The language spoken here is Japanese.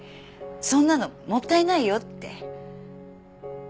そんなのもったいないよって。